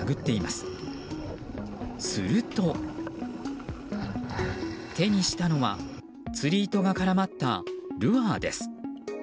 すると、手にしたのは釣り糸が絡まったルアーです。